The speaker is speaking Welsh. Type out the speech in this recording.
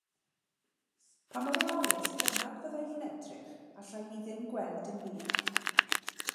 Pa mor ofalus bynnag fyddai hi'n edrych allai hi ddim gweld dim byd.